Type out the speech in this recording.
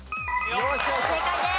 正解です。